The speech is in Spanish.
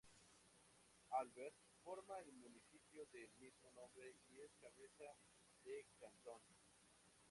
Albert forma el municipio del mismo nombre y es cabeza de cantón.